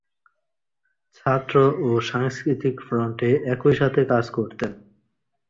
ছাত্র ও সাংস্কৃতিক ফ্রন্টে একইসাথে কাজ করতেন।